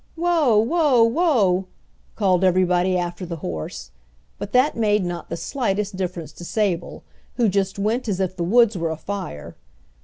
"Whoa! whoa! whoa!" called everybody after the horse, but that made not the slightest difference to Sable, who just went as if the woods were afire.